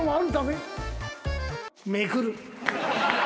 めくる。